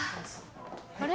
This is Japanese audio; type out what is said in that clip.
あれ？